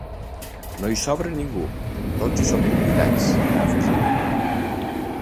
No hi sobra ningú, tots hi som convidats, ha afegit .